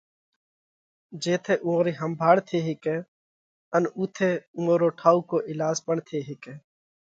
جيٿئہ اُوئون رئِي ۿمڀاۯ ٿي هيڪئہ ان اُوٿئہ اُوئون رو ٺائُوڪو ايلاز پڻ ٿي هيڪئہ۔